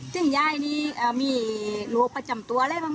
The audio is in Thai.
ซึ่งยายนี้มีโรคประจำตัวอะไรบ้าง